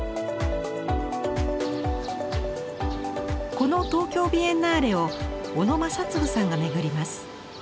この「東京ビエンナーレ」を小野正嗣さんが巡ります。